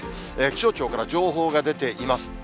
気象庁から情報が出ています。